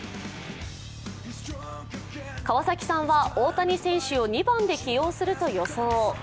川崎さんは大谷選手を２番で起用すると予想。